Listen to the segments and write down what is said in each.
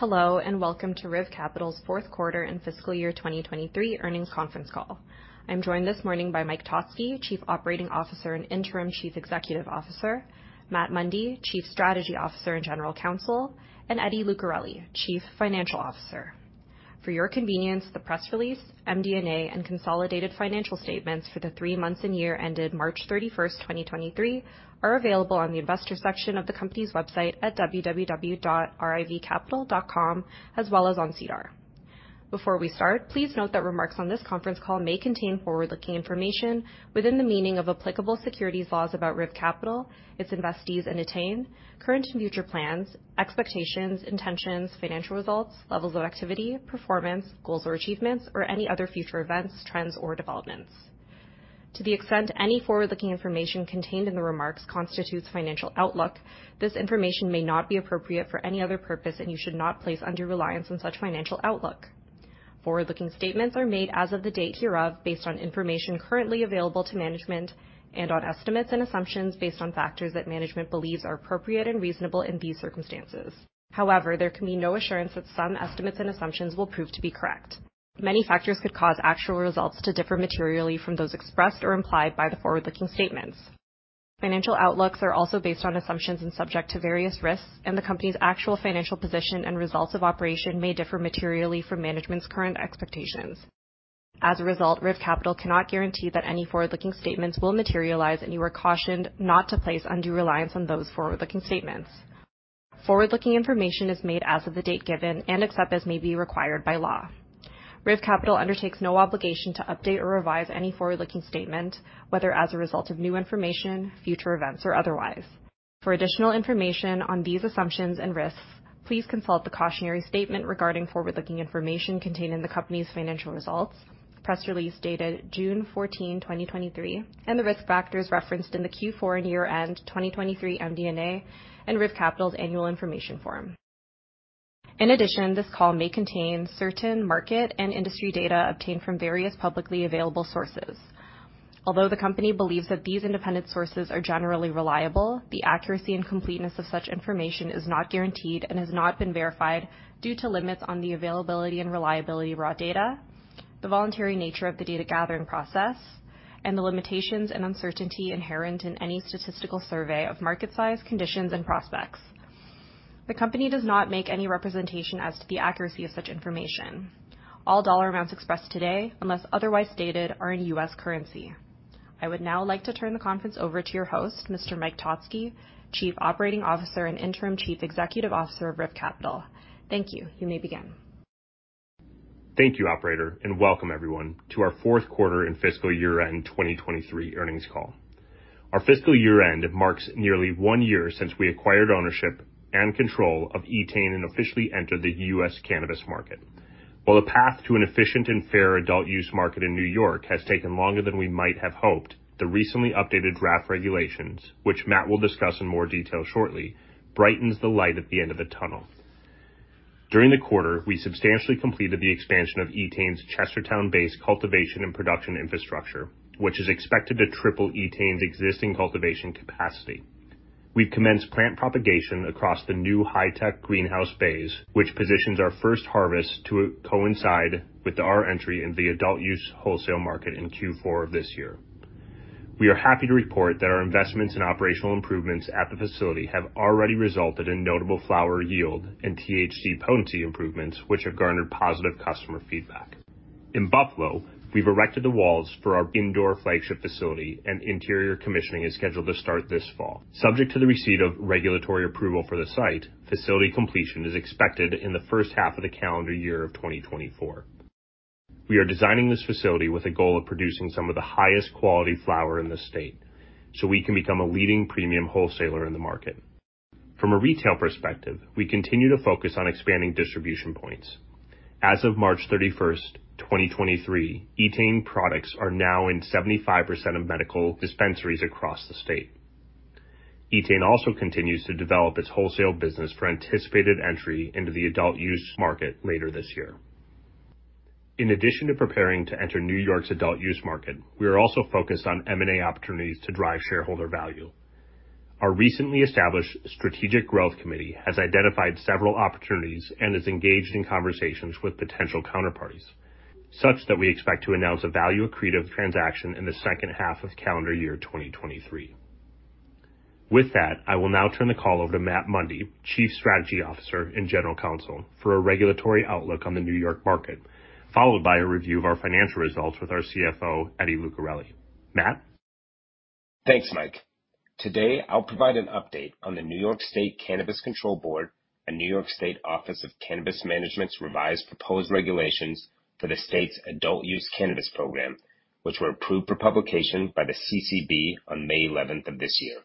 Hello, and welcome to RIV Capital's Q4 and fiscal year 2023 earnings conference call. I'm joined this morning by Mike Totzke, Chief Operating Officer and Interim Chief Executive Officer, Matt Mundy, Chief Strategy Officer and General Counsel, and Eddie Lucarelli, Chief Financial Officer. For your convenience, the press release, MD&A, and consolidated financial statements for the 3 months and year ended March 31st, 2023, are available on the investor section of the company's website at www.rivcapital.com, as well as on SEDAR. Before we start, please note that remarks on this conference call may contain forward-looking information within the meaning of applicable securities laws about RIV Capital, its investees, and Etain, current and future plans, expectations, intentions, financial results, levels of activity, performance, goals or achievements, or any other future events, trends, or developments. To the extent any forward-looking information contained in the remarks constitutes financial outlook, this information may not be appropriate for any other purpose. You should not place undue reliance on such financial outlook. Forward-looking statements are made as of the date hereof, based on information currently available to management and on estimates and assumptions based on factors that management believes are appropriate and reasonable in these circumstances. There can be no assurance that some estimates and assumptions will prove to be correct. Many factors could cause actual results to differ materially from those expressed or implied by the forward-looking statements. Financial outlooks are also based on assumptions and subject to various risks. The company's actual financial position and results of operation may differ materially from management's current expectations. As a result, RIV Capital cannot guarantee that any forward-looking statements will materialize. You are cautioned not to place undue reliance on those forward-looking statements. Forward-looking information is made as of the date given and except as may be required by law. RIV Capital undertakes no obligation to update or revise any forward-looking statement, whether as a result of new information, future events, or otherwise. For additional information on these assumptions and risks, please consult the cautionary statement regarding forward-looking information contained in the company's financial results. Press release dated June 14, 2023, and the risk factors referenced in the Q4 and year-end 2023 MD&A and RIV Capital's annual information form. In addition, this call may contain certain market and industry data obtained from various publicly available sources. Although the company believes that these independent sources are generally reliable, the accuracy and completeness of such information is not guaranteed and has not been verified due to limits on the availability and reliability of raw data, the voluntary nature of the data gathering process, and the limitations and uncertainty inherent in any statistical survey of market size, conditions, and prospects. The company does not make any representation as to the accuracy of such information. All dollar amounts expressed today, unless otherwise stated, are in US currency. I would now like to turn the conference over to your host, Mr. Mike Totzke, Chief Operating Officer and Interim Chief Executive Officer of RIV Capital. Thank you. You may begin. Thank you, operator. Welcome everyone to our Q4 and fiscal year-end 2023 earnings call. Our fiscal year end marks nearly one year since we acquired ownership and control of Etain and officially entered the U.S. cannabis market. While the path to an efficient and fair adult-use market in New York has taken longer than we might have hoped, the recently updated draft regulations, which Matt will discuss in more detail shortly, brightens the light at the end of the tunnel. During the quarter, we substantially completed the expansion of Etain's Chestertown base cultivation and production infrastructure, which is expected to triple Etain's existing cultivation capacity. We've commenced plant propagation across the new high-tech greenhouse bays, which positions our first harvest to coincide with our entry in the adult use wholesale market in Q4 of this year. We are happy to report that our investments and operational improvements at the facility have already resulted in notable flower yield and THC potency improvements, which have garnered positive customer feedback. In Buffalo, we've erected the walls for our indoor flagship facility, and interior commissioning is scheduled to start this fall. Subject to the receipt of regulatory approval for the site, facility completion is expected in the first half of the calendar year of 2024. We are designing this facility with a goal of producing some of the highest quality flower in the state, so we can become a leading premium wholesaler in the market. From a retail perspective, we continue to focus on expanding distribution points. As of March 31, 2023, Etain products are now in 75% of medical dispensaries across the state. Etain also continues to develop its wholesale business for anticipated entry into the adult use market later this year. In addition to preparing to enter New York's adult-use market, we are also focused on M&A opportunities to drive shareholder value. Our recently established Strategic Growth Committee has identified several opportunities and is engaged in conversations with potential counterparties, such that we expect to announce a value accretive transaction in the second half of calendar year 2023. With that, I will now turn the call over to Matt Mundy, Chief Strategy Officer and General Counsel, for a regulatory outlook on the New York market, followed by a review of our financial results with our CFO, Eddie Lucarelli. Matt? Thanks, Mike. Today, I'll provide an update on the New York State Cannabis Control Board and New York State Office of Cannabis Management's revised proposed regulations for the state's adult-use cannabis program, which were approved for publication by the CCB on May 11th of this year.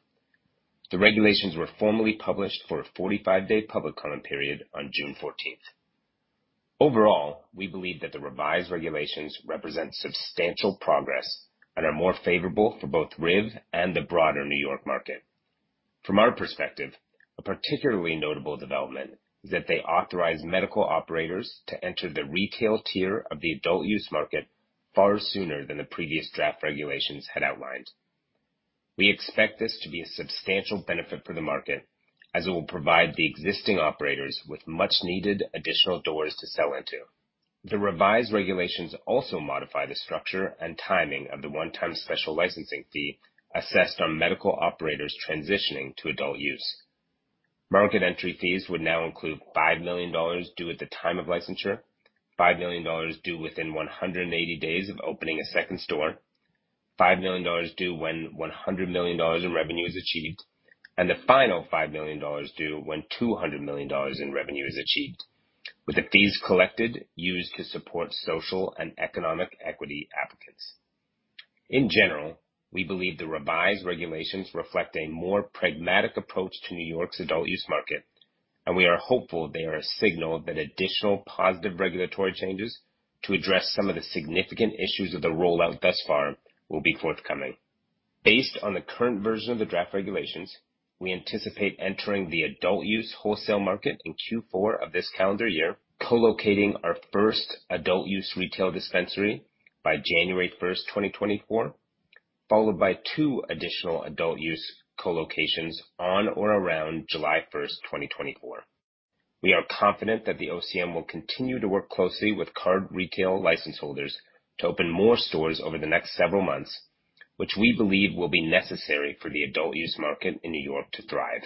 The regulations were formally published for a 45-day public comment period on June 14th. Overall, we believe that the revised regulations represent substantial progress and are more favorable for both RIV and the broader New York market. From our perspective, a particularly notable development is that they authorize medical operators to enter the retail tier of the adult use market far sooner than the previous draft regulations had outlined. We expect this to be a substantial benefit for the market, as it will provide the existing operators with much needed additional doors to sell into. The revised regulations also modify the structure and timing of the one-time special licensing fee assessed on medical operators transitioning to adult use. Market entry fees would now include $5 million due at the time of licensure, $5 million due within 180 days of opening a second store, $5 million due when $100 million in revenue is achieved, and the final $5 million due when $200 million in revenue is achieved, with the fees collected used to support social and economic equity applicants. In general, we believe the revised regulations reflect a more pragmatic approach to New York's adult use market. We are hopeful they are a signal that additional positive regulatory changes to address some of the significant issues of the rollout thus far will be forthcoming. Based on the current version of the draft regulations, we anticipate entering the adult use wholesale market in Q4 of this calendar year, co-locating our first adult use retail dispensary by January 1, 2024, followed by two additional adult use co-locations on or around July 1, 2024. We are confident that the OCM will continue to work closely with current retail license holders to open more stores over the next several months, which we believe will be necessary for the adult use market in New York to thrive.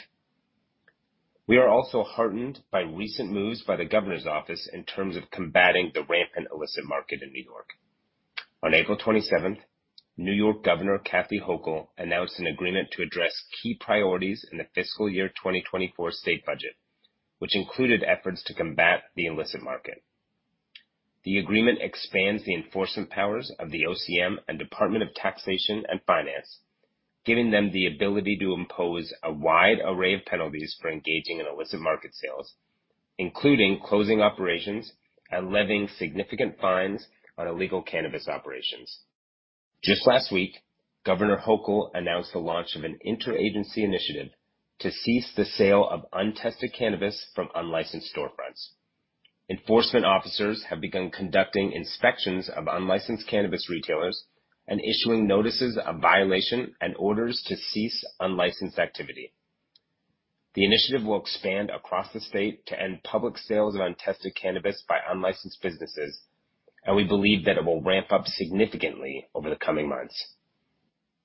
We are also heartened by recent moves by the Governor's Office in terms of combating the rampant illicit market in New York. On April 27th, New York Governor Kathy Hochul announced an agreement to address key priorities in the fiscal year 2024 state budget, which included efforts to combat the illicit market. The agreement expands the enforcement powers of the OCM and Department of Taxation and Finance, giving them the ability to impose a wide array of penalties for engaging in illicit market sales, including closing operations and levying significant fines on illegal cannabis operations. Just last week, Governor Hochul announced the launch of an interagency initiative to cease the sale of untested cannabis from unlicensed storefronts. Enforcement officers have begun conducting inspections of unlicensed cannabis retailers and issuing notices of violation and orders to cease unlicensed activity. The initiative will expand across the state to end public sales of untested cannabis by unlicensed businesses, and we believe that it will ramp up significantly over the coming months.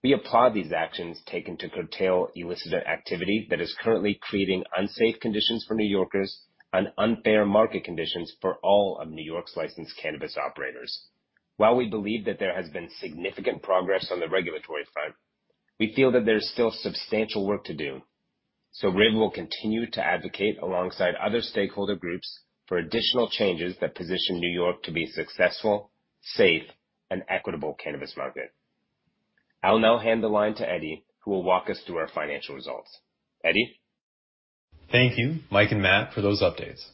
We applaud these actions taken to curtail illicit activity that is currently creating unsafe conditions for New Yorkers and unfair market conditions for all of New York's licensed cannabis operators. Riv will continue to advocate alongside other stakeholder groups for additional changes that position New York to be a successful, safe, and equitable cannabis market. I'll now hand the line to Eddie, who will walk us through our financial results. Eddie? Thank you, Mike and Matt, for those updates.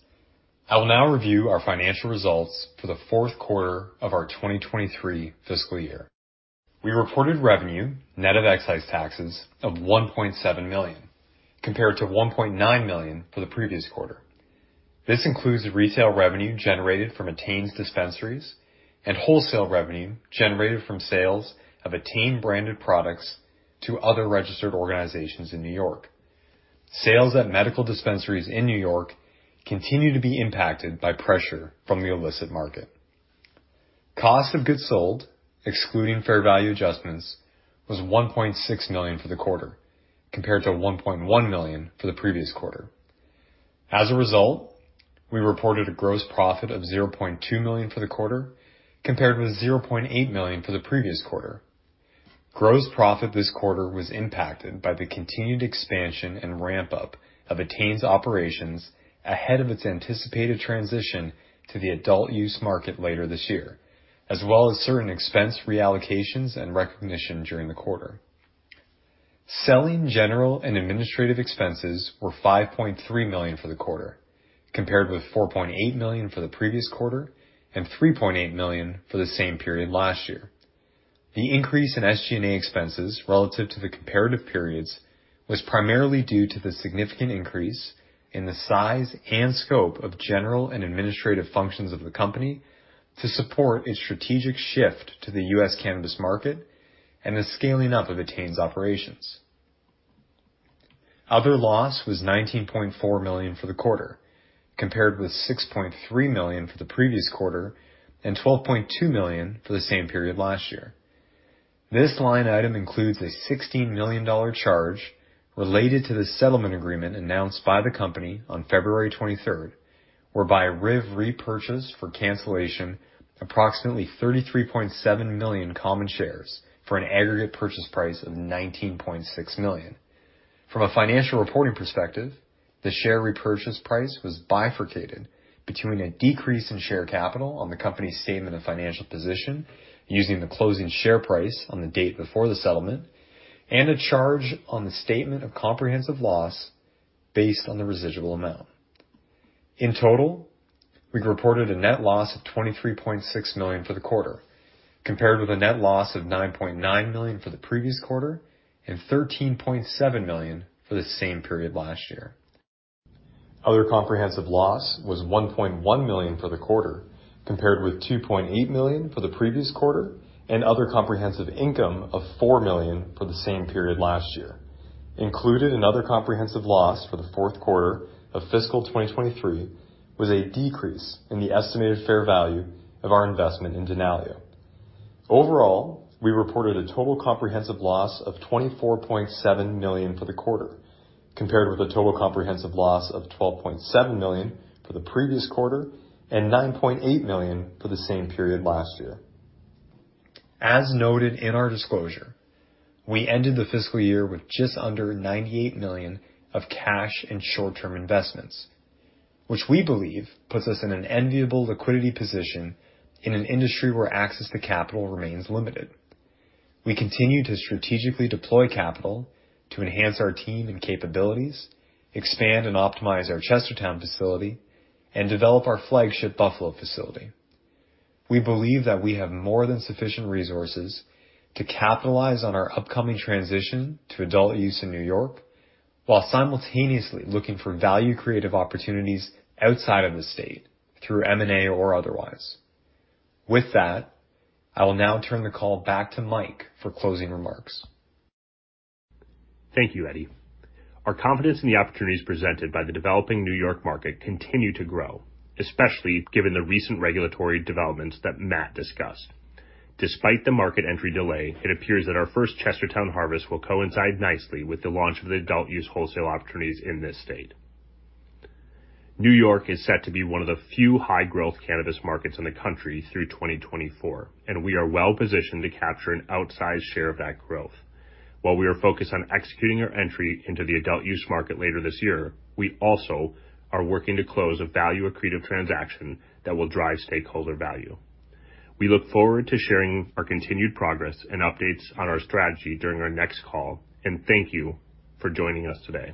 I will now review our financial results for the Q4 of our 2023 fiscal year. We reported revenue net of excise taxes of $1.7 million, compared to $1.9 million for the previous quarter. This includes retail revenue generated from Etain's dispensaries and wholesale revenue generated from sales of Etain-branded products to other registered organizations in New York. Sales at medical dispensaries in New York continue to be impacted by pressure from the illicit market. Cost of goods sold, excluding fair value adjustments, was $1.6 million for the quarter, compared to $1.1 million for the previous quarter. We reported a gross profit of $0.2 million for the quarter, compared with $0.8 million for the previous quarter. Gross profit this quarter was impacted by the continued expansion and ramp-up of Etain's operations ahead of its anticipated transition to the adult use market later this year, as well as certain expense reallocations and recognition during the quarter. Selling, general, and administrative expenses were $5.3 million for the quarter, compared with $4.8 million for the previous quarter and $3.8 million for the same period last year. The increase in SG&A expenses relative to the comparative periods was primarily due to the significant increase in the size and scope of general and administrative functions of the company to support its strategic shift to the U.S. cannabis market and the scaling up of Etain's operations. Other loss was $19.4 million for the quarter, compared with $6.3 million for the previous quarter and $12.2 million for the same period last year. This line item includes a $16 million charge related to the settlement agreement announced by the company on February 23rd, whereby RIV repurchased for cancellation approximately 33.7 million common shares for an aggregate purchase price of $19.6 million. From a financial reporting perspective, the share repurchase price was bifurcated between a decrease in share capital on the company's statement of financial position, using the closing share price on the date before the settlement, and a charge on the statement of comprehensive loss based on the residual amount. In total, we reported a net loss of $23.6 million for the quarter, compared with a net loss of $9.9 million for the previous quarter and $13.7 million for the same period last year. Other comprehensive loss was $1.1 million for the quarter, compared with $2.8 million for the previous quarter, and other comprehensive income of $4 million for the same period last year. Included in other comprehensive loss for the Q4 of fiscal 2023, was a decrease in the estimated fair value of our investment in Denali. Overall, we reported a total comprehensive loss of $24.7 million for the quarter, compared with a total comprehensive loss of $12.7 million for the previous quarter and $9.8 million for the same period last year. As noted in our disclosure, we ended the fiscal year with just under $98 million of cash and short-term investments, which we believe puts us in an enviable liquidity position in an industry where access to capital remains limited. We continue to strategically deploy capital to enhance our team and capabilities, expand and optimize our Chestertown facility, and develop our flagship Buffalo facility. We believe that we have more than sufficient resources to capitalize on our upcoming transition to adult use in New York, while simultaneously looking for value-creative opportunities outside of the state through M&A or otherwise. With that, I will now turn the call back to Mike for closing remarks. Thank you, Eddie. Our confidence in the opportunities presented by the developing New York market continue to grow, especially given the recent regulatory developments that Matt discussed. Despite the market entry delay, it appears that our first Chestertown harvest will coincide nicely with the launch of the adult-use wholesale opportunities in this state. New York is set to be one of the few high-growth cannabis markets in the country through 2024. We are well-positioned to capture an outsized share of that growth. While we are focused on executing our entry into the adult-use market later this year, we also are working to close a value-accretive transaction that will drive stakeholder value. We look forward to sharing our continued progress and updates on our strategy during our next call. Thank you for joining us today.